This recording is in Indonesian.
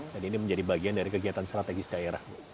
jadi ini menjadi bagian dari kegiatan strategis daerah